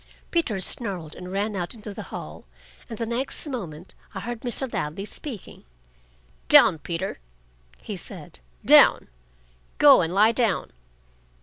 Peter snarled and ran out into the hall, and the next moment I heard Mr. Ladley speaking. "Down, Peter," he said. "Down. Go and lie down."